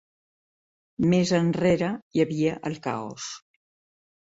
Més enrere hi havia el caos.